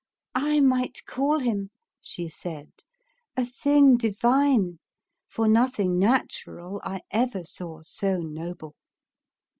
'T might call him," she said, "a thing divine, for nothing natural I ever saw so noble!"